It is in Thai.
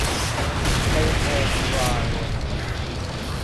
ไบโอฟลาโวนอยด์